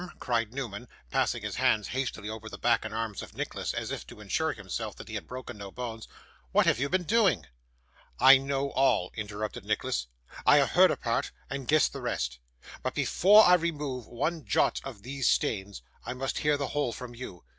cried Newman, passing his hands hastily over the back and arms of Nicholas, as if to assure himself that he had broken no bones. 'What have you been doing?' 'I know all,' interrupted Nicholas; 'I have heard a part, and guessed the rest. But before I remove one jot of these stains, I must hear the whole from you.